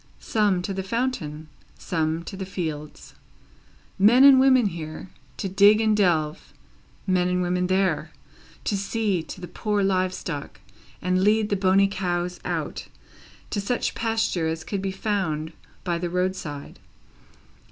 Some, to the fountain; some, to the fields; men and women here, to dig and delve; men and women there, to see to the poor live stock, and lead the bony cows out, to such pasture as could be found by the roadside.